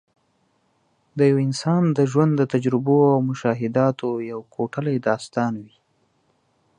د یو انسان د ژوند د تجربو او مشاهداتو یو کوټلی داستان وي.